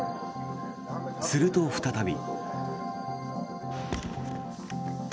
すると、再び。